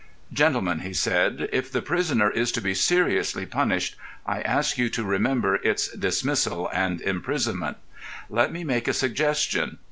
"Gentlemen," he said, "if the prisoner is to be seriously punished, I ask you to remember it's dismissal and imprisonment. Let me make a suggestion.